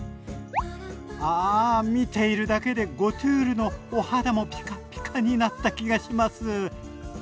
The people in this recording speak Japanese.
あ見ているだけでゴトゥールのお肌もピカピカになった気がします。